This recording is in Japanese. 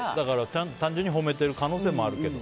ちゃんと単純に褒めている可能性もあるけど。